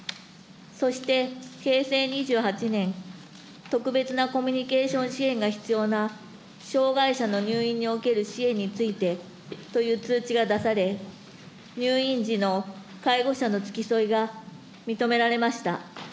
そして、平成２８年、特別なコミュニケーション支援が必要な障害者の入院における支援についてという通知が出され、入院時の介護者の付き添いが認められました。